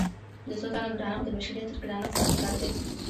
د څو تنو ګرانښت د بشریت تر ګرانښت سخت کار دی.